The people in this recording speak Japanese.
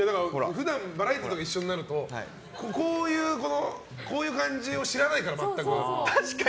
普段バラエティーとかで一緒になると、こういう感じを知らないから、全く。